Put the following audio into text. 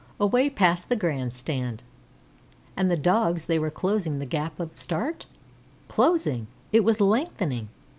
Away past the Grand Stand. And the Dogs were they closing the gap of start? Closing! It was lengthening!